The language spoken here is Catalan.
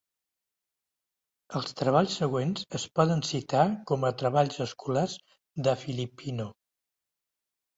Els treballs següents es poden citar com a treballs escolars de Filippino.